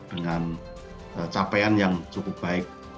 dengan capaian yang cukup baik